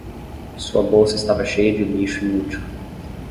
Sua bolsa estava cheia de lixo inútil.